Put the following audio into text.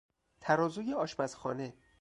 ترازوی آشپزخانه